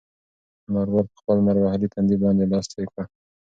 انارګل په خپل لمر وهلي تندي باندې لاس تېر کړ.